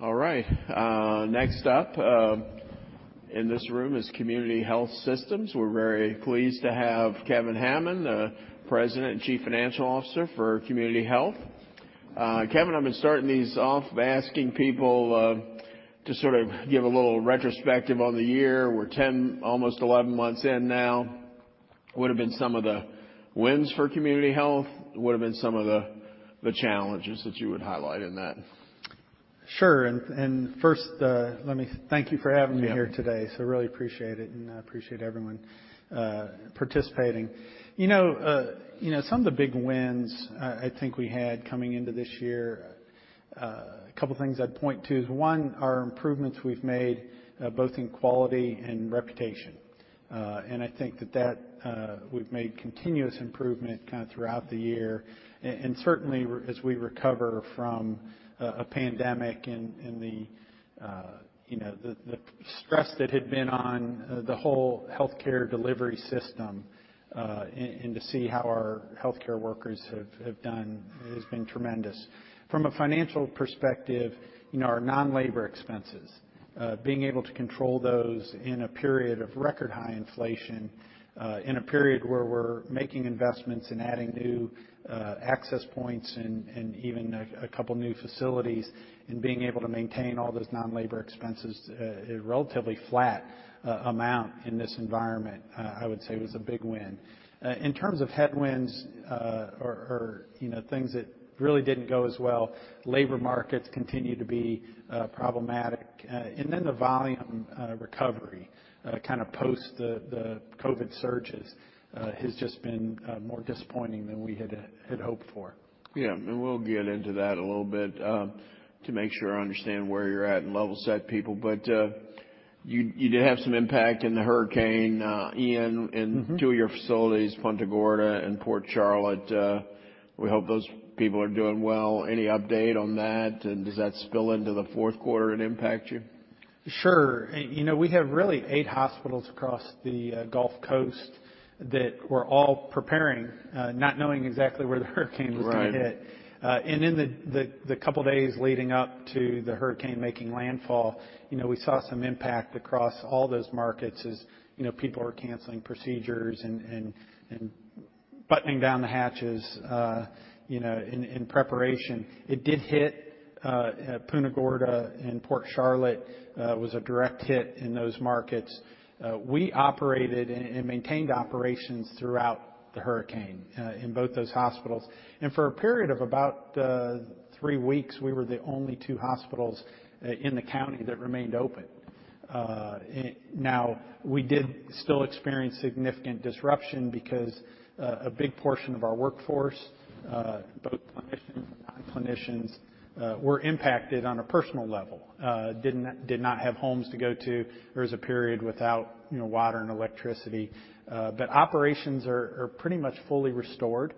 All right. Next up, in this room is Community Health Systems. We're very pleased to have Kevin Hammons, the President and Chief Financial Officer for Community Health. Kevin, I've been starting these off by asking people, to sort of give a little retrospective on the year. We're 10, almost 11 months in now. What have been some of the wins for Community Health? What have been some of the challenges that you would highlight in that? Sure. First, let me thank you for having me here today. Yeah. I really appreciate it, and I appreciate everyone participating. You know, some of the big wins, I think we had coming into this year, a couple of things I'd point to is, one, our improvements we've made both in quality and reputation. I think that we've made continuous improvement kind of throughout the year, and certainly as we recover from a pandemic and the you know, the stress that had been on the whole healthcare delivery system, and to see how our healthcare workers have done has been tremendous. From a financial perspective, you know, our non-labor expenses, being able to control those in a period of record high inflation, in a period where we're making investments and adding new access points and even a couple of new facilities, and being able to maintain all those non-labor expenses at a relatively flat amount in this environment, I would say was a big win. In terms of headwinds, or you know, things that really didn't go as well, labor markets continue to be problematic. The volume recovery kinda post the COVID surges has just been more disappointing than we had hoped for. Yeah. We'll get into that a little bit to make sure I understand where you're at and level set people. You did have some impact in the Hurricane Ian. Mm-hmm. In two of your facilities, Punta Gorda and Port Charlotte. We hope those people are doing well. Any update on that? And does that spill into the fourth quarter and impact you? Sure. You know, we have really eight hospitals across the Gulf Coast that we're all preparing, not knowing exactly where the hurricane was. Right. Gonna hit. In the couple of days leading up to the hurricane making landfall, you know, we saw some impact across all those markets as, you know, people are canceling procedures and buttoning down the hatches, you know, in preparation. It did hit Punta Gorda and Port Charlotte. It was a direct hit in those markets. We operated and maintained operations throughout the hurricane in both those hospitals. For a period of about three weeks, we were the only two hospitals in the county that remained open. Now, we did still experience significant disruption because a big portion of our workforce, both clinicians and non-clinicians, were impacted on a personal level. Did not have homes to go to. There was a period without water and electricity. Operations are pretty much fully restored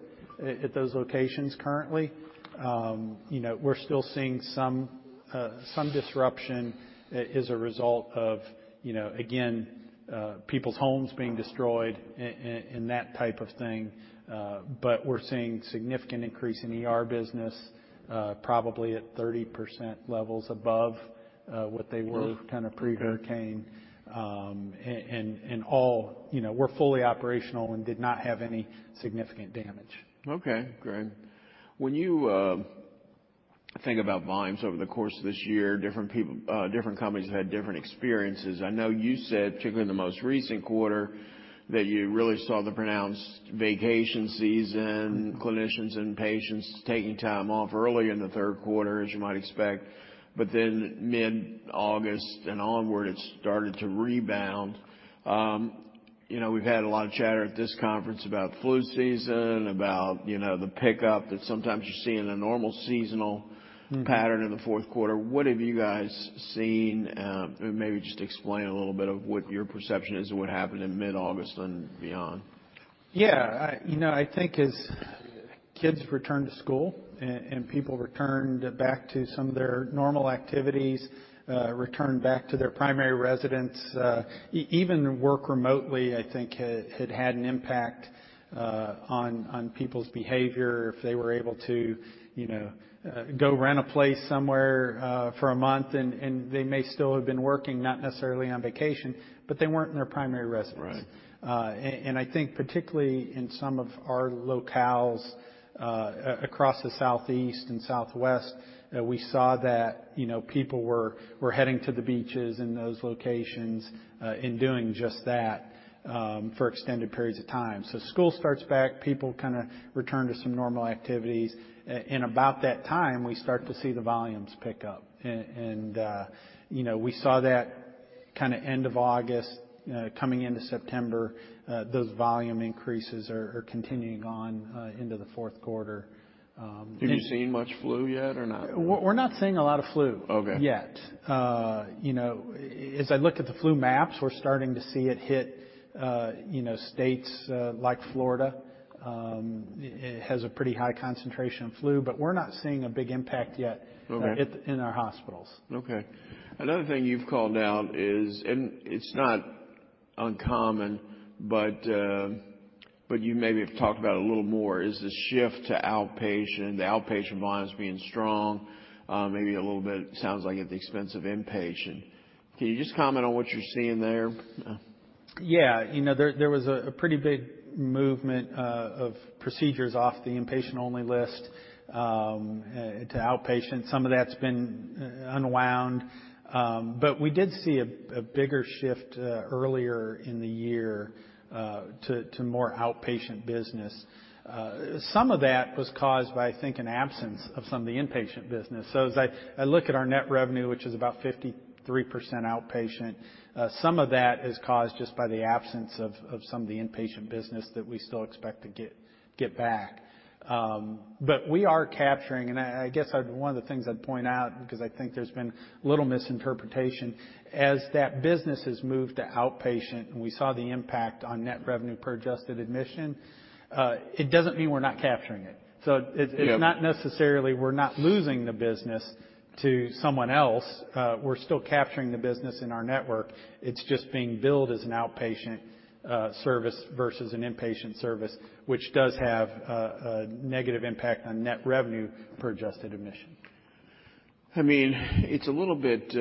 at those locations currently. You know, we're still seeing some disruption as a result of, you know, again, people's homes being destroyed and that type of thing. We're seeing significant increase in ER business, probably at 30% levels above what they were. Mm-hmm. Okay. Kinda pre-hurricane. All, you know, we're fully operational and did not have any significant damage. Okay, great. When you think about volumes over the course of this year, different companies have had different experiences. I know you said, particularly in the most recent quarter, that you really saw the pronounced vacation season, clinicians and patients taking time off early in the third quarter, as you might expect. Mid-August and onward, it started to rebound. You know, we've had a lot of chatter at this conference about flu season, about, you know, the pickup that sometimes you see in a normal seasonal- Mm. -pattern in the fourth quarter. What have you guys seen? Maybe just explain a little bit of what your perception is of what happened in mid-August and beyond. Yeah. You know, I think as kids returned to school and people returned back to some of their normal activities, returned back to their primary residence, even work remotely. I think, had an impact on people's behavior if they were able to, you know, go rent a place somewhere for a month, and they may still have been working, not necessarily on vacation, but they weren't in their primary residence. Right. I think particularly in some of our locales across the Southeast and Southwest, we saw that, you know, people were heading to the beaches in those locations and doing just that for extended periods of time. School starts back, people kinda return to some normal activities. About that time, we start to see the volumes pick up. You know, we saw that kinda end of August coming into September, those volume increases are continuing on into the fourth quarter. Have you seen much flu yet or not? We're not seeing a lot of flu. Okay. Yet. You know, as I look at the flu maps, we're starting to see it hit, you know, states like Florida has a pretty high concentration of flu, but we're not seeing a big impact yet. Okay. in our hospitals. Okay. Another thing you've called out is, and it's not uncommon, but you maybe have talked about a little more is the shift to outpatient, the outpatient volumes being strong, maybe a little bit, sounds like at the expense of inpatient. Can you just comment on what you're seeing there? Yeah. You know, there was a pretty big movement of procedures off the inpatient-only list to outpatient. Some of that's been unwound. But we did see a bigger shift earlier in the year to more outpatient business. Some of that was caused by, I think, an absence of some of the inpatient business. As I look at our net revenue, which is about 53% outpatient, some of that is caused just by the absence of some of the inpatient business that we still expect to get back. We are capturing, and I guess one of the things I'd point out because I think there's been a little misinterpretation, as that business has moved to outpatient, and we saw the impact on net revenue per adjusted admission, it doesn't mean we're not capturing it. Yeah. It's not necessarily we're not losing the business to someone else. We're still capturing the business in our network. It's just being billed as an outpatient service versus an inpatient service, which does have a negative impact on net revenue per adjusted admission. I mean, it's a little bit,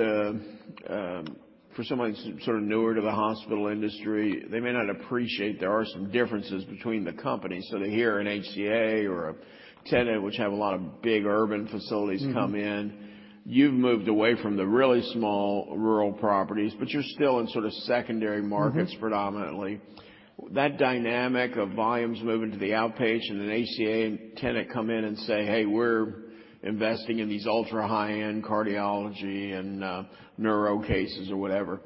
for someone sort of newer to the hospital industry, they may not appreciate there are some differences between the companies. They hear an HCA or a Tenet which have a lot of big urban facilities come in. Mm-hmm. You've moved away from the really small rural properties, but you're still in sort of secondary markets. Mm-hmm. Predominantly. That dynamic of volumes moving to the outpatient, and HCA and Tenet come in and say, "Hey, we're investing in these ultra high-end cardiology and neuro cases," or whatever.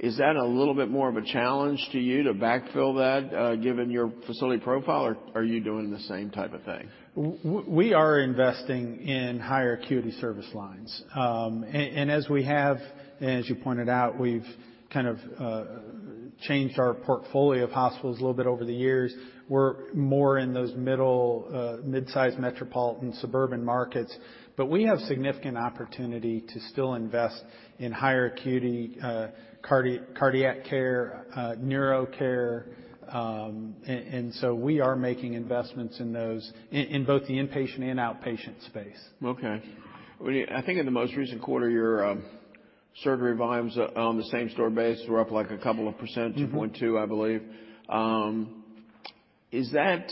Is that a little bit more of a challenge to you to backfill that, given your facility profile, or are you doing the same type of thing? We are investing in higher acuity service lines. As we have, as you pointed out, we've kind of changed our portfolio of hospitals a little bit over the years. We're more in those mid-sized metropolitan suburban markets, but we have significant opportunity to still invest in higher acuity cardiac care, neuro care, and so we are making investments in those in both the inpatient and outpatient space. Okay. I think in the most recent quarter, your surgery volumes on the same-store basis were up, like, a couple of percent- Mm-hmm. -2.2, I believe. Is that,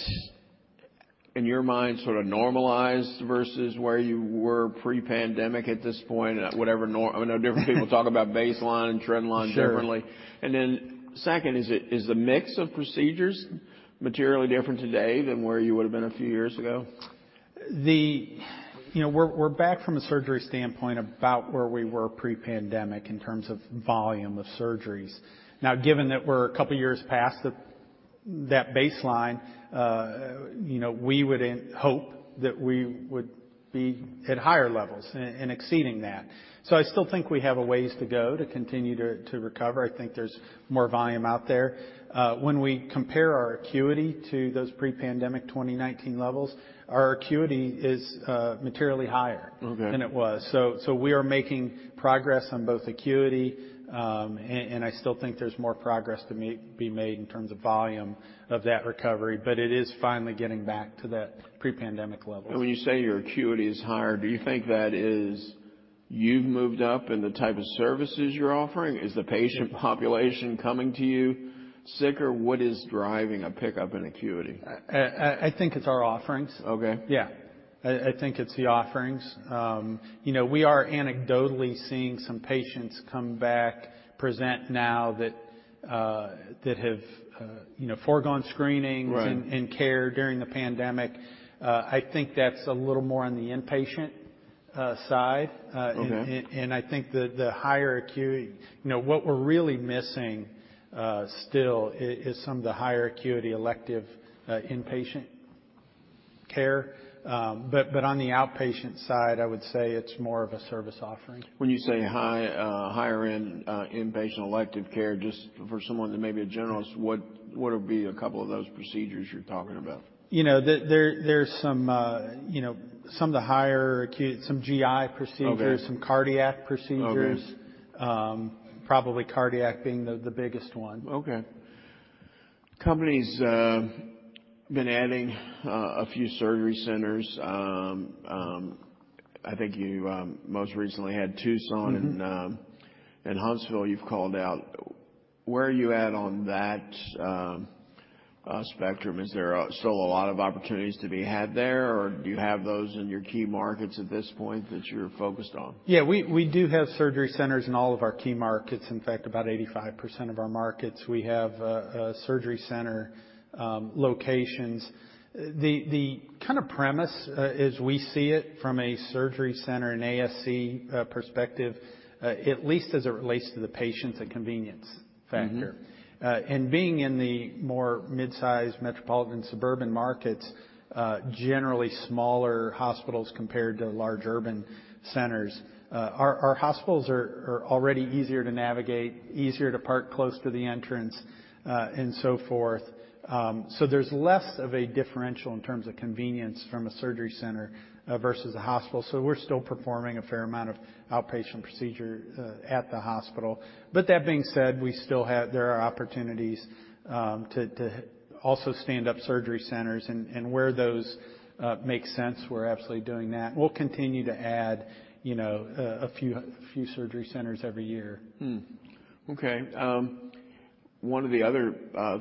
in your mind, sort of normalized versus where you were pre-pandemic at this point? I know different people talk about baseline and trend line differently. Sure. Second, is the mix of procedures materially different today than where you would've been a few years ago? You know, we're back from a surgery standpoint about where we were pre-pandemic in terms of volume of surgeries. Now, given that we're a couple years past that baseline, you know, we would hope that we would be at higher levels and exceeding that. I still think we have a ways to go to continue to recover. I think there's more volume out there. When we compare our acuity to those pre-pandemic 2019 levels, our acuity is materially higher. Okay. Than it was. We are making progress on both acuity, and I still think there's more progress to maybe made in terms of volume of that recovery, but it is finally getting back to the pre-pandemic levels. When you say your acuity is higher, do you think that is you've moved up in the type of services you're offering? Is the patient population coming to you sicker? What is driving a pickup in acuity? I think it's our offerings. Okay. Yeah. I think it's the offerings. You know, we are anecdotally seeing some patients come back, present now that have you know foregone screenings- Right. Care during the pandemic. I think that's a little more on the inpatient side. Okay. I think the higher acuity. You know, what we're really missing still is some of the higher acuity elective inpatient care. On the outpatient side, I would say it's more of a service offering. When you say high, higher-end, inpatient elective care, just for someone that may be a generalist, what would be a couple of those procedures you're talking about? You know, there's some, you know, come the higher, some GI procedures. Okay. Some cardiac procedures. Okay. Probably cardiac being the biggest one. Okay. Company's been adding a few surgery centers. I think you most recently had Tucson- Mm-hmm. Huntsville you've called out. Where are you at on that spectrum? Is there still a lot of opportunities to be had there, or do you have those in your key markets at this point that you're focused on? Yeah. We do have surgery centers in all of our key markets. In fact, about 85% of our markets we have surgery center locations. The kind of premise as we see it from a surgery center and ASC perspective, at least as it relates to the patients, a convenience factor. Mm-hmm. Being in the more mid-sized metropolitan suburban markets, generally smaller hospitals compared to large urban centers, our hospitals are already easier to navigate, easier to park close to the entrance, and so forth. There's less of a differential in terms of convenience from a surgery center versus a hospital, so we're still performing a fair amount of outpatient procedure at the hospital. That being said, there are opportunities to also stand up surgery centers. Where those make sense, we're absolutely doing that. We'll continue to add, you know, a few surgery centers every year. Okay. One of the other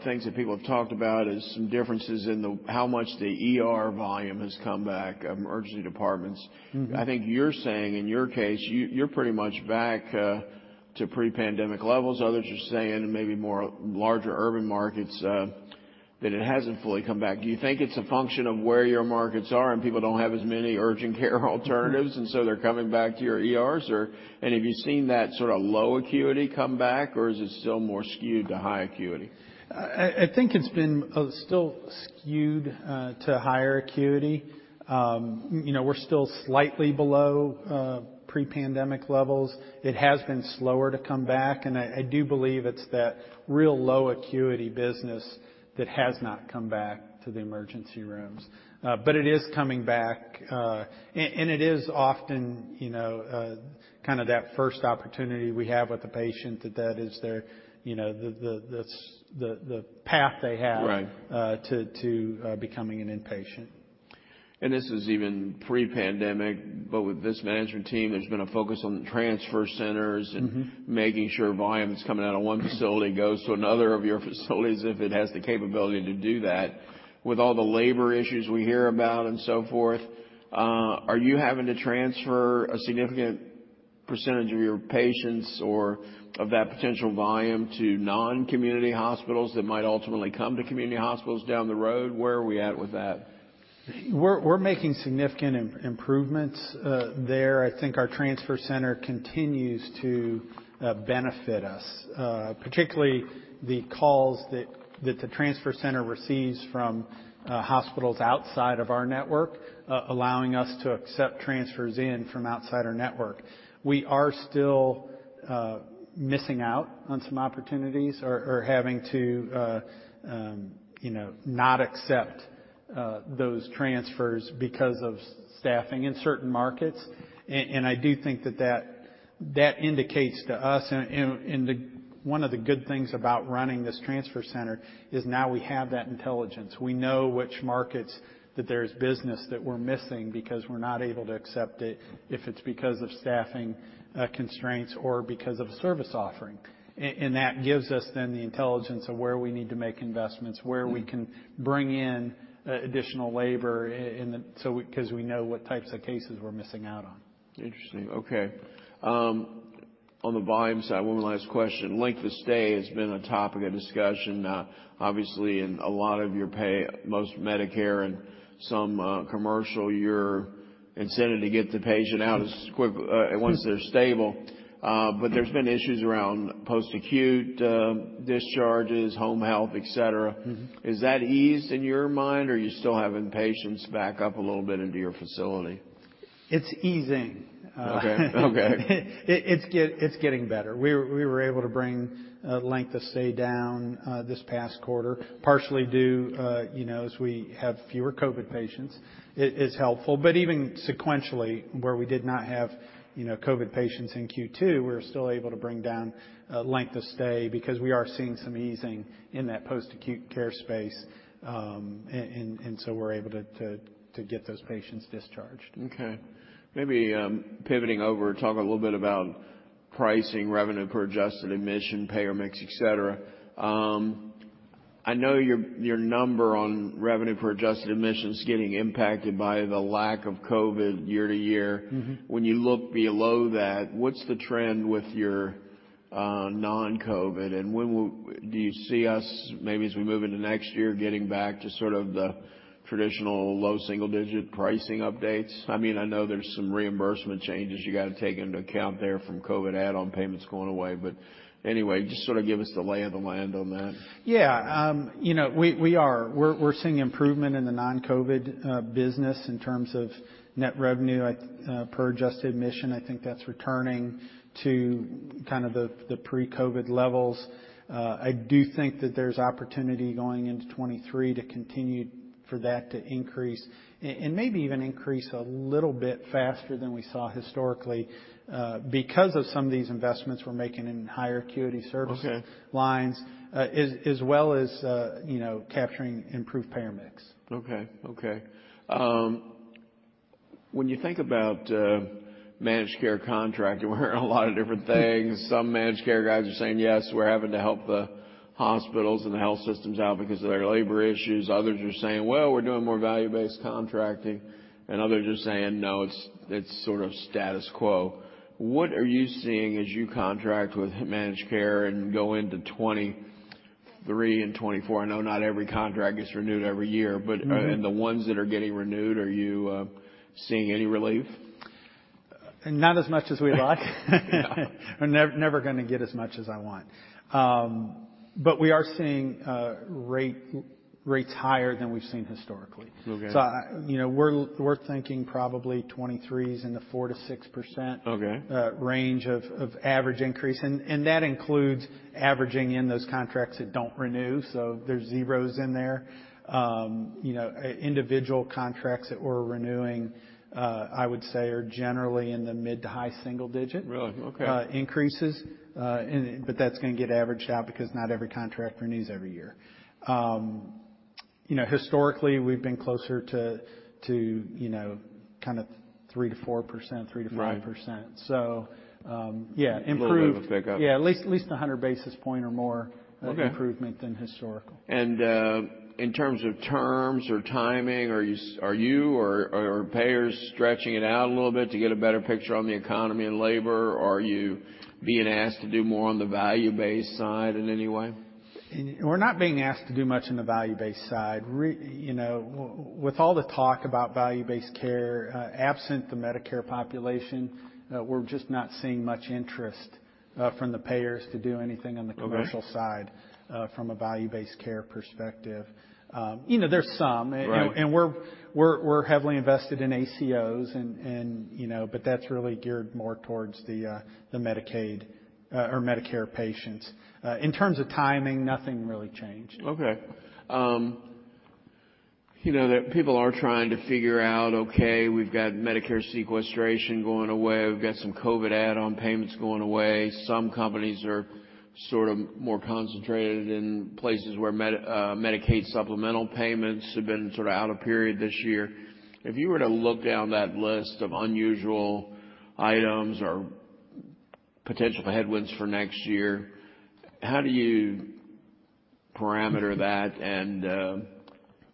things that people have talked about is some differences in how much the ER volume has come back, emergency departments. Mm-hmm. I think you're saying, in your case, you're pretty much back to pre-pandemic levels. Others are saying in maybe more larger urban markets that it hasn't fully come back. Do you think it's a function of where your markets are and people don't have as many urgent care alternatives, and so they're coming back to your ERs? Or and have you seen that sort of low acuity come back, or is it still more skewed to high acuity? I think it's been still skewed to higher acuity. You know, we're still slightly below pre-pandemic levels. It has been slower to come back, and I do believe it's that real low acuity business that has not come back to the emergency rooms. But it is coming back, and it is often, you know, kind of that first opportunity we have with the patient that is their, you know, the path they have. Right To becoming an inpatient. This is even pre-pandemic, but with this management team, there's been a focus on transfer centers. Mm-hmm Making sure volume that's coming out of one facility goes to another of your facilities if it has the capability to do that. With all the labor issues we hear about and so forth, are you having to transfer a significant percentage of your patients or of that potential volume to non-Community hospitals that might ultimately come to Community hospitals down the road? Where are we at with that? We're making significant improvements there. I think our transfer center continues to benefit us, particularly the calls that the transfer center receives from hospitals outside of our network, allowing us to accept transfers in from outside our network. We are still missing out on some opportunities or having to you know not accept those transfers because of staffing in certain markets. I do think that indicates to us and one of the good things about running this transfer center is now we have that intelligence. We know which markets that there's business that we're missing because we're not able to accept it, if it's because of staffing constraints or because of service offering. That gives us then the intelligence of where we need to make investments- Mm-hmm ...where we can bring in additional labor, because we know what types of cases we're missing out on. Interesting. Okay. On the volume side, one last question. Length of stay has been a topic of discussion, obviously in a lot of your payers, most Medicare and some commercial, your incentive to get the patient out as quick once they're stable. There's been issues around post-acute discharges, home health, etc. Mm-hmm. Is that eased in your mind, or are you still having patients back up a little bit into your facility? It's easing. Okay, okay. It's getting better. We were able to bring length of stay down this past quarter, partially due, you know, as we have fewer COVID patients. It is helpful. Even sequentially, where we did not have, you know, COVID patients in Q2, we're still able to bring down length of stay because we are seeing some easing in that post-acute care space. So we're able to get those patients discharged. Okay. Maybe pivoting over, talk a little bit about pricing revenue per adjusted admission, payer mix, etc. I know your number on revenue per adjusted admissions is getting impacted by the lack of COVID year-to-year. Mm-hmm. When you look below that, what's the trend with your non-COVID, and do you see us maybe as we move into next year, getting back to sort of the traditional low single digit pricing updates? I mean, I know there's some reimbursement changes you got to take into account there from COVID add-on payments going away. Anyway, just sort of give us the lay of the land on that. Yeah. You know, we are seeing improvement in the non-COVID business in terms of net revenue per adjusted admission. I think that's returning to kind of the pre-COVID levels. I do think that there's opportunity going into 2023 to continue for that to increase, and maybe even increase a little bit faster than we saw historically, because of some of these investments we're making in higher acuity service- Okay ...lines, as well as, you know, capturing improved payer mix. Okay. When you think about managed care contract, you're hearing a lot of different things. Some managed care guys are saying, "Yes, we're having to help the hospitals and the health systems out because of their labor issues." Others are saying, "Well, we're doing more value-based contracting." And others are saying, "No, it's sort of status quo." What are you seeing as you contract with managed care and go into 2023 and 2024? I know not every contract gets renewed every year. Mm-hmm. In the ones that are getting renewed, are you seeing any relief? Not as much as we like. Yeah. I'm never gonna get as much as I want. We are seeing rates higher than we've seen historically. Okay. I, you know, we're thinking probably 2023s in the 4%-6% Okay. Range of average increase. That includes averaging in those contracts that don't renew, so there's zeros in there. You know, individual contracts that we're renewing, I would say are generally in the mid to high single digit- Really? Okay.... Increases. That's gonna get averaged out because not every contract renews every year. You know, historically, we've been closer to you know, kinda 3%-4%, 3%-5%. Right. Yeah, improved. A little bit of a pickup. Yeah, at least 100 basis points or more. Okay. Of improvement than historical. In terms of terms or timing, are payers stretching it out a little bit to get a better picture on the economy and labor? Are you being asked to do more on the value-based side in any way? We're not being asked to do much in the value-based side. You know, with all the talk about value-based care, absent the Medicare population, we're just not seeing much interest from the payers to do anything on the commercial side. Okay. From a value-based care perspective. You know, there's some. Right. We're heavily invested in ACOs, you know, but that's really geared more towards the Medicaid or Medicare patients. In terms of timing, nothing really changed. Okay. You know, people are trying to figure out, okay, we've got Medicare sequestration going away, we've got some COVID add-on payments going away. Some companies are sort of more concentrated in places where Medicaid supplemental payments have been sort of out of period this year. If you were to look down that list of unusual items or potential headwinds for next year, how do you parameterize that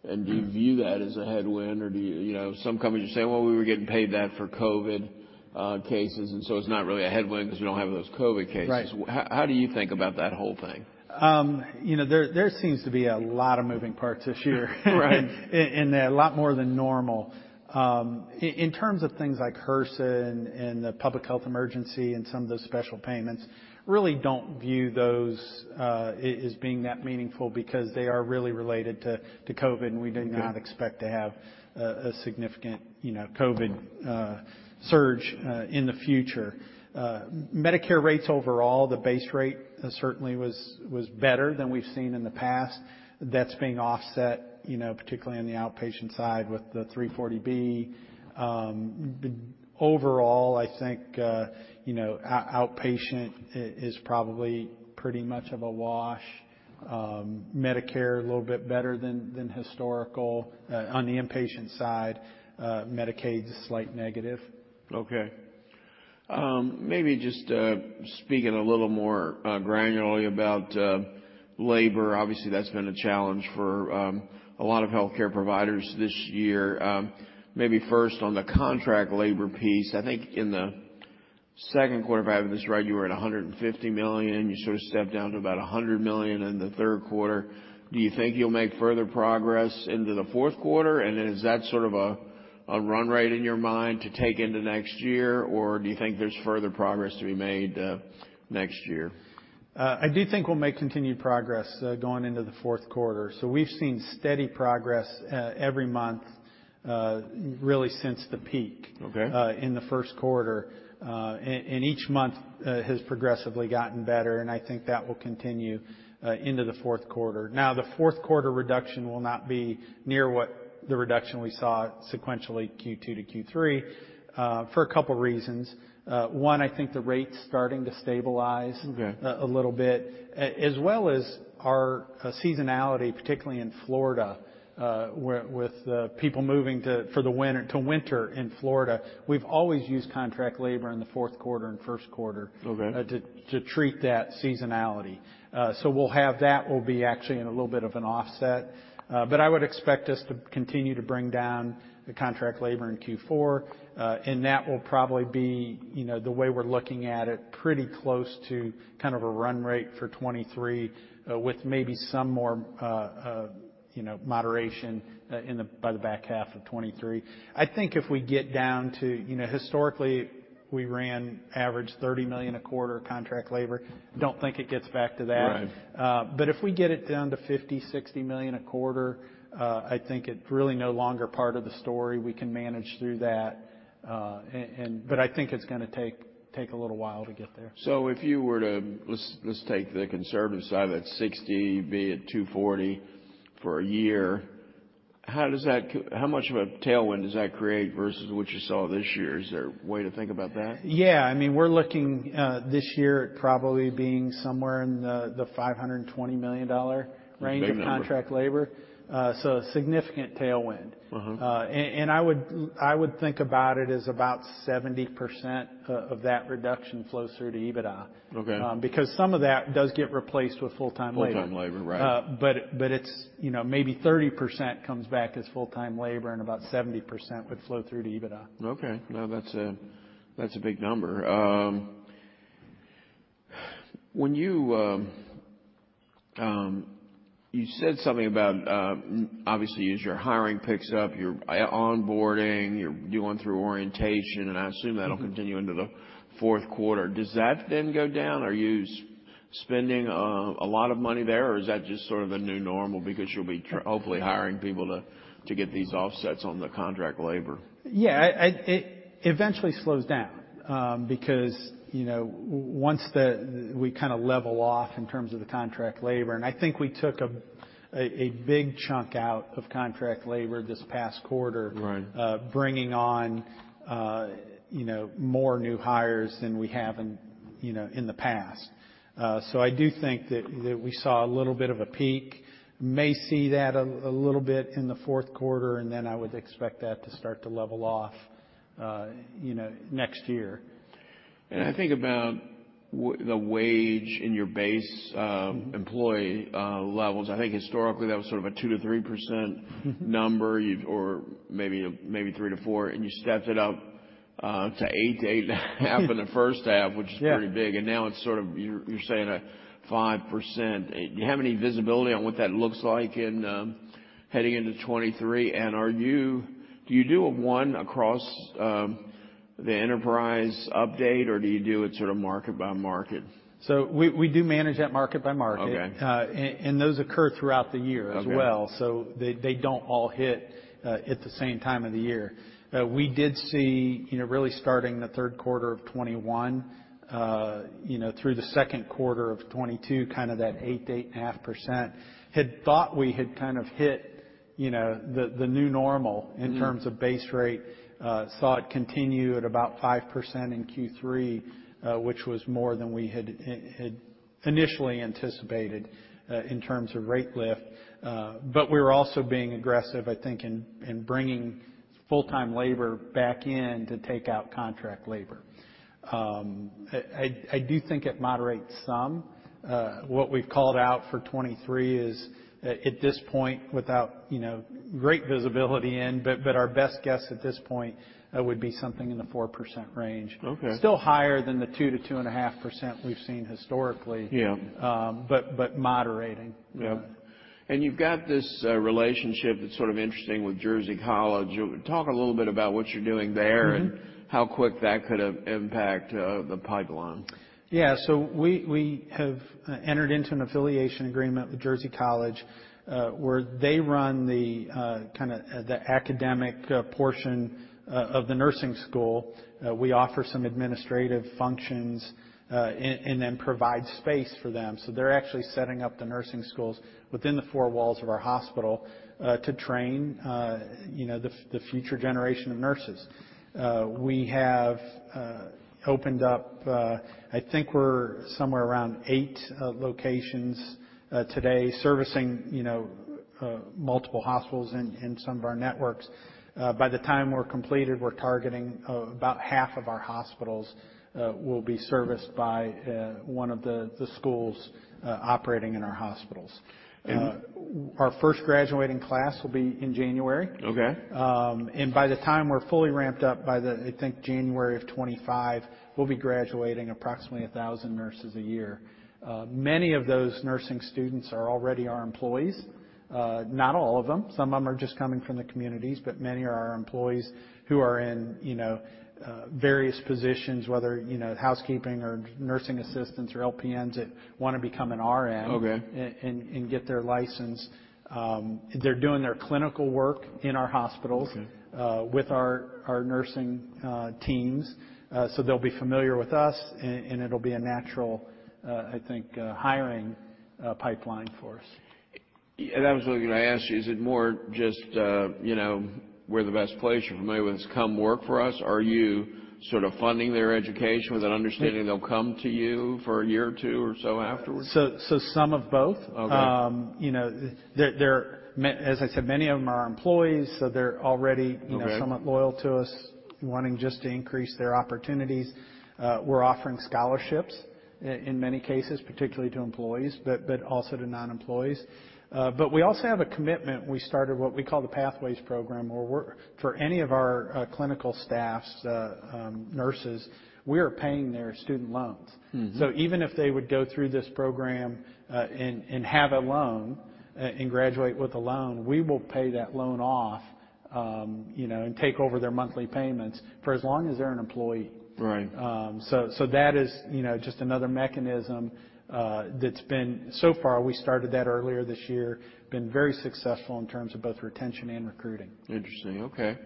and do you view that as a headwind or do you know, some companies are saying, "Well, we were getting paid that for COVID cases, and so it's not really a headwind because we don't have those COVID cases. Right. How do you think about that whole thing? You know, there seems to be a lot of moving parts this year. Right. A lot more than normal. In terms of things like HRSA and the Public Health Emergency and some of those special payments, really don't view those as being that meaningful because they are really related to COVID, and we do not expect to have a significant, you know, COVID surge in the future. Medicare rates overall, the base rate certainly was better than we've seen in the past. That's being offset, you know, particularly on the outpatient side with the 340B. But overall, I think, you know, outpatient is probably pretty much of a wash. Medicare a little bit better than historical. On the inpatient side, Medicaid's a slight negative. Okay. Maybe just speaking a little more granularly about labor. Obviously, that's been a challenge for a lot of healthcare providers this year. Maybe first on the contract labor piece, I think in the second quarter, if I have this right, you were at $150 million. You sort of stepped down to about $100 million in the third quarter. Do you think you'll make further progress into the fourth quarter? Is that sort of a run rate in your mind to take into next year? Do you think there's further progress to be made next year? I do think we'll make continued progress going into the fourth quarter. We've seen steady progress every month really since the peak. Okay. In the first quarter. And each month has progressively gotten better, and I think that will continue into the fourth quarter. Now, the fourth quarter reduction will not be near what the reduction we saw sequentially Q2 to Q3, for a couple reasons. One, I think the rate's starting to stabilize. Okay. A little bit, as well as our seasonality, particularly in Florida, with people moving for the winter to winter in Florida. We've always used contract labor in the fourth quarter and first quarter. Okay. To treat that seasonality. We'll have that will be actually in a little bit of an offset. I would expect us to continue to bring down the contract labor in Q4, and that will probably be, you know, the way we're looking at it, pretty close to kind of a run rate for 2023, with maybe some more, you know, moderation by the back half of 2023. I think if we get down to, you know, historically, we ran average $30 million a quarter contract labor. Don't think it gets back to that. Right. If we get it down to $50 million-$60 million a quarter, I think it's really no longer part of the story. We can manage through that. I think it's gonna take a little while to get there. If you were to, let's take the conservative side, that's 60, be it 240 for a year. How much of a tailwind does that create versus what you saw this year? Is there a way to think about that? Yeah. I mean, we're looking this year at probably being somewhere in the $520 million range- Big number.... Of contract labor, so a significant tailwind. Mm-hmm. I would think about it as about 70% of that reduction flows through to EBITDA. Okay. Because some of that does get replaced with full-time labor. Full-time labor, right. It's, you know, maybe 30% comes back as full-time labor and about 70% would flow through to EBITDA. Okay. No, that's a big number. When you said something about, obviously as your hiring picks up, your onboarding, you're going through orientation, and I assume that'll continue into the fourth quarter. Does that then go down? Are you spending a lot of money there, or is that just sort of a new normal because you'll be hopefully hiring people to get these offsets on the contract labor? Yeah. It eventually slows down, because, you know, once we kinda level off in terms of the contract labor, and I think we took a big chunk out of contract labor this past quarter. Right Bringing on, you know, more new hires than we have in, you know, in the past. I do think that we saw a little bit of a peak. May see that a little bit in the fourth quarter, and then I would expect that to start to level off, you know, next year. I think about the wage in your base employee levels. I think historically that was sort of a 2%-3% number or maybe 3%-4%, and you stepped it up to 8%-8.5% in the first half, which is pretty big. Yeah. Now it's sort of you're saying 5%. Do you have any visibility on what that looks like heading into 2023? Do you do a one across the enterprise update, or do you do it sort of market by market? We do manage that market by market. Okay. Those occur throughout the year as well. Okay. They don't all hit at the same time of the year. We did see, you know, really starting the third quarter of 2021 through the second quarter of 2022, kind of that 8%-8.5%. Had thought we had kind of hit, you know, the new normal in terms of base rate. Saw it continue at about 5% in Q3, which was more than we had initially anticipated in terms of rate lift. We're also being aggressive, I think, in bringing full-time labor back in to take out contract labor. I do think it moderates some. What we've called out for 2023 is at this point without, you know, great visibility in, but our best guess at this point would be something in the 4% range. Okay. Still higher than the 2%-2.5% we've seen historically. Yeah. Moderating. Yeah. You've got this relationship that's sort of interesting with Jersey College. Talk a little bit about what you're doing there and how quick that could impact the pipeline. Yeah. We have entered into an affiliation agreement with Jersey College, where they run the kinda the academic portion of the nursing school. We offer some administrative functions and then provide space for them. They're actually setting up the nursing schools within the four walls of our hospital to train you know the future generation of nurses. We have opened up. I think we're somewhere around eight locations today, servicing you know multiple hospitals in some of our networks. By the time we're completed, we're targeting about half of our hospitals will be serviced by one of the schools operating in our hospitals. Yeah. Our first graduating class will be in January. Okay. By the time we're fully ramped up by the, I think, January of 2025, we'll be graduating approximately 1,000 nurses a year. Many of those nursing students are already our employees. Not all of them. Some of them are just coming from the communities, but many are our employees who are in, you know, various positions, whether, you know, housekeeping or nursing assistants or LPNs that wanna become an RN. Okay Get their license. They're doing their clinical work in our hospitals. Okay With our nursing teams. They'll be familiar with us, and it'll be a natural, I think, hiring pipeline for us. I was gonna ask you, is it more just, you know, we're the best place, you're familiar with us, come work for us? Are you sort of funding their education with an understanding they'll come to you for a year or two or so afterwards? Some of both. Okay. You know, as I said, many of them are our employees, so they're already, you know, somewhat loyal to us, wanting just to increase their opportunities. We're offering scholarships in many cases, particularly to employees, but also to non-employees. We also have a commitment. We started what we call the Pathways Program, where for any of our clinical staff, nurses, we are paying their student loans. Mm-hmm. Even if they would go through this program, and have a loan, and graduate with a loan, we will pay that loan off, you know, and take over their monthly payments for as long as they're an employee. Right. That is, you know, just another mechanism. So far, we started that earlier this year. Been very successful in terms of both retention and recruiting. Interesting. Okay.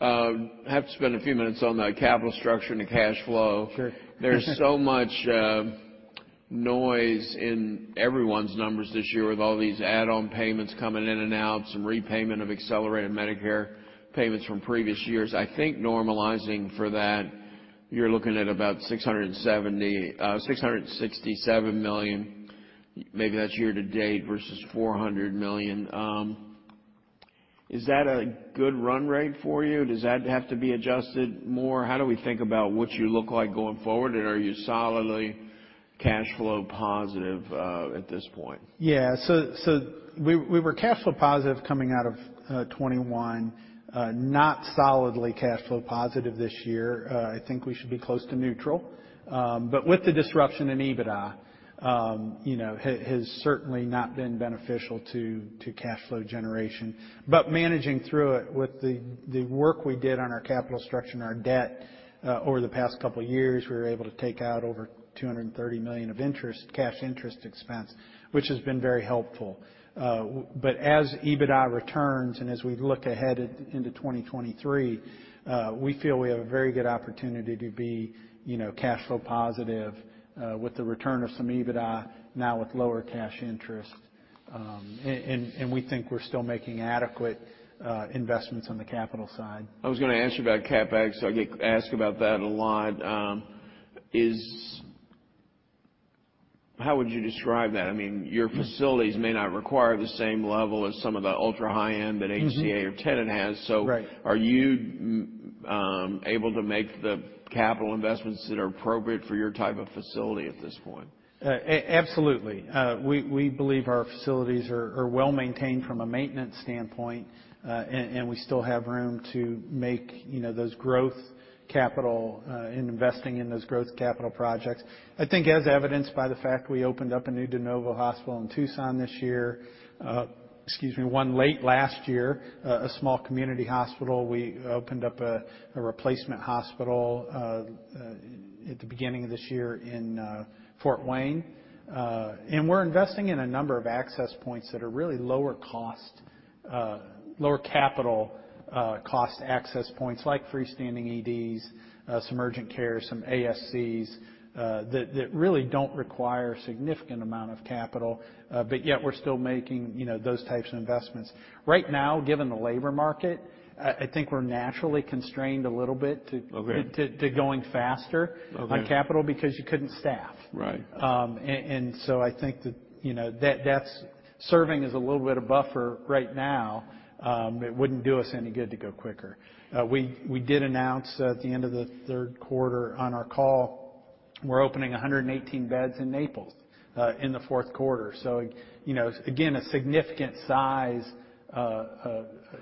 Have to spend a few minutes on the capital structure and the cash flow. Sure. There's so much noise in everyone's numbers this year with all these add-on payments coming in and out, some repayment of accelerated Medicare payments from previous years. I think normalizing for that, you're looking at about $667 million. Maybe that's year to date versus $400 million. Is that a good run rate for you? Does that have to be adjusted more? How do we think about what you look like going forward, and are you solidly cash flow positive at this point? Yeah. We were cash flow positive coming out of 2021. Not solidly cash flow positive this year. I think we should be close to neutral. With the disruption in EBITDA, you know, has certainly not been beneficial to cash flow generation. Managing through it with the work we did on our capital structure and our debt over the past couple years, we were able to take out over $230 million of cash interest expense, which has been very helpful. As EBITDA returns and as we look ahead into 2023, we feel we have a very good opportunity to be, you know, cash flow positive with the return of some EBITDA now with lower cash interest. We think we're still making adequate investments on the capital side. I was gonna ask you about CapEx. I get asked about that a lot. How would you describe that? I mean, your facilities may not require the same level as some of the ultra high-end that HCA or Tenet has. Mm-hmm. Right. Are you able to make the capital investments that are appropriate for your type of facility at this point? Absolutely. We believe our facilities are well-maintained from a maintenance standpoint, and we still have room to make, you know, those growth capital, in investing in those growth capital projects. I think as evidenced by the fact we opened up a new de novo hospital in Tucson this year. Excuse me, one late last year, a small community hospital. We opened up a replacement hospital at the beginning of this year in Fort Wayne. We're investing in a number of access points that are really lower cost, lower capital cost access points like freestanding EDs, some urgent care, some ASCs, that really don't require a significant amount of capital. Yet we're still making, you know, those types of investments. Right now, given the labor market, I think we're naturally constrained a little bit to. Okay To going faster- Okay... on capital because you couldn't stop. Right. I think that, you know, that's serving as a little bit of buffer right now. It wouldn't do us any good to go quicker. We did announce at the end of the third quarter on our call, we're opening 118 beds in Naples in the fourth quarter. You know, again, a significant size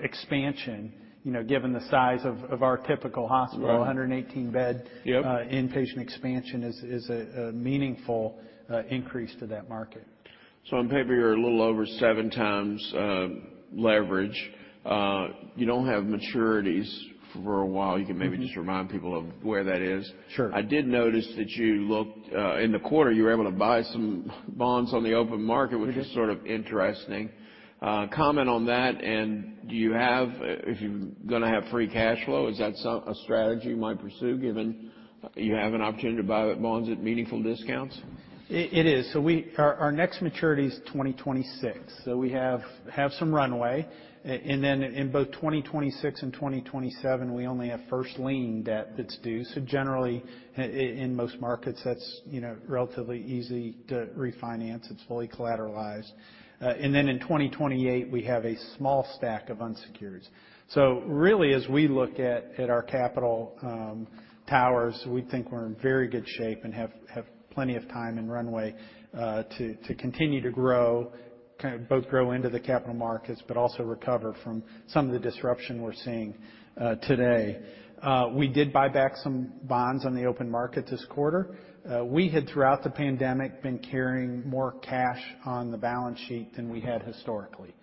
expansion, you know, given the size of our typical hospital. Right. A hundred and eighteen bed- Yep Inpatient expansion is a meaningful increase to that market. On paper, you're a little over seven times leverage. You don't have maturities for a while. Mm-hmm. You can maybe just remind people of where that is. Sure. I did notice that you looked in the quarter, you were able to buy some bonds on the open market- Mm-hmm... which is sort of interesting. Comment on that, and if you're gonna have free cash flow, is that sort of a strategy you might pursue given you have an opportunity to buy bonds at meaningful discounts? It is. Our next maturity is 2026, so we have some runway. Then in both 2026 and 2027, we only have first lien debt that's due. Generally in most markets that's, you know, relatively easy to refinance. It's fully collateralized. Then in 2028, we have a small stack of unsecureds. Really, as we look at our capital structure, we think we're in very good shape and have plenty of time and runway to continue to grow, kind of both grow into the capital markets but also recover from some of the disruption we're seeing today. We did buy back some bonds on the open market this quarter. We had, throughout the pandemic, been carrying more cash on the balance sheet than we had historically.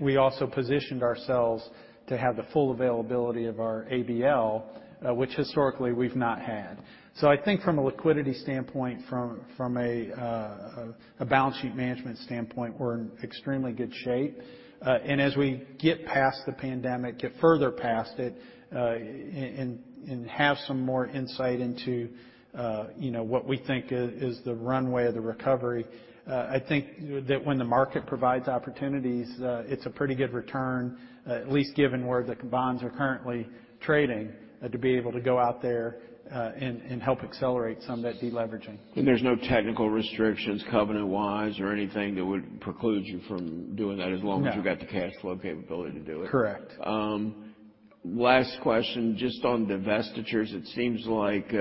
We also positioned ourselves to have the full availability of our ABL, which historically we've not had. I think from a liquidity standpoint, from a balance sheet management standpoint, we're in extremely good shape. As we get past the pandemic, get further past it, and have some more insight into, you know, what we think is the runway of the recovery, I think that when the market provides opportunities, it's a pretty good return, at least given where the bonds are currently trading, to be able to go out there and help accelerate some of that deleveraging. There's no technical restrictions covenant-wise or anything that would preclude you from doing that as long as. No. You've got the cash flow capability to do it. Correct. Last question. Just on divestitures, it seems like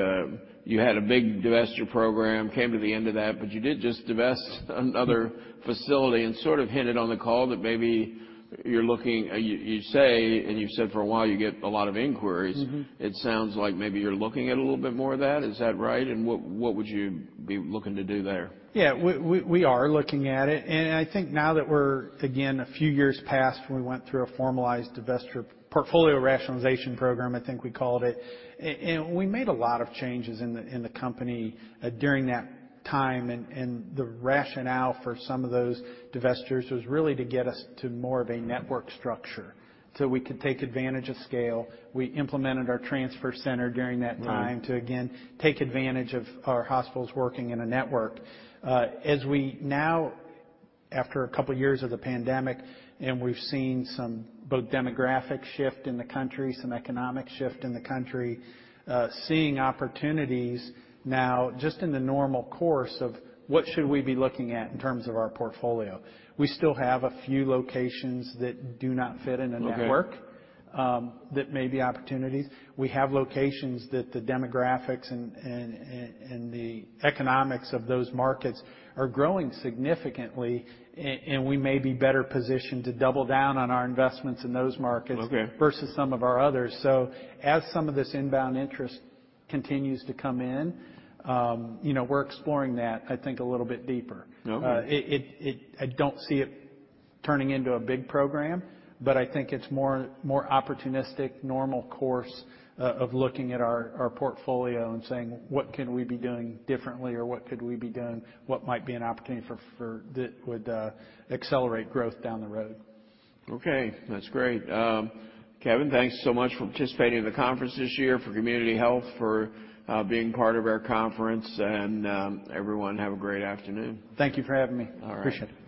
you had a big divestiture program, came to the end of that. You did just divest another facility and sort of hinted on the call that maybe you're looking. You say, and you've said for a while you get a lot of inquiries. Mm-hmm. It sounds like maybe you're looking at a little bit more of that. Is that right, and what would you be looking to do there? Yeah. We are looking at it. I think now that we're, again, a few years past, we went through a formalized divestiture portfolio rationalization program, I think we called it. We made a lot of changes in the company during that time. The rationale for some of those divestitures was really to get us to more of a network structure, so we could take advantage of scale. We implemented our transfer center during that time. Right To again take advantage of our hospitals working in a network. As we know, after a couple years of the pandemic, we've seen some demographic shift in the country, some economic shift in the country, seeing opportunities now just in the normal course of what we should be looking at in terms of our portfolio. We still have a few locations that do not fit in a network. Okay that may be opportunities. We have locations that the demographics and the economics of those markets are growing significantly. We may be better positioned to double down on our investments in those markets- Okay... versus some of our others. As some of this inbound interest continues to come in, you know, we're exploring that, I think, a little bit deeper. Okay. I don't see it turning into a big program, but I think it's more opportunistic, normal course of looking at our portfolio and saying, "What can we be doing differently, or what could we be doing? What might be an opportunity for that would accelerate growth down the road? Okay, that's great. Kevin Hammons, thanks so much for participating in the conference this year, for Community Health, for being part of our conference. Everyone, have a great afternoon. Thank you for having me. All right. Appreciate it.